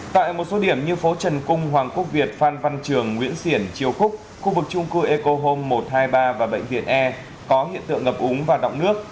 tại một số điểm như phố trần cung hoàng quốc việt phan văn trường nguyễn xiển triều cúc khu vực trung cư eco home một trăm hai mươi ba và bệnh viện e có hiện tượng ngập úng và động nước